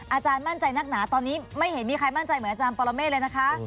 อาจารย์มั่นใจนักหนาตอนนี้ไม่เห็นมีใครมั่นใจเหมือนอาจารย์ปรเมฆเลยนะคะ